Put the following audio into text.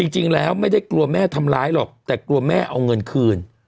จริงแล้วไม่ได้กลัวแม่ทำร้ายหรอกแต่กลัวแม่เอาเงินคืน